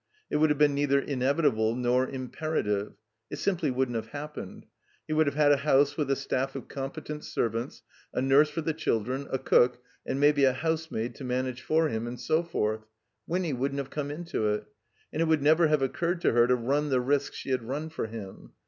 It would have been neither inevitable nor impera tive. It simply wouldn't have happened. He would have had a house with a staff of competent servants, a nurse for the children, a cook, and maybe a house maid to manage for him, and so forth. Winny wouldn't have come into it. It would never have occurred to her to run the risks she had run for him.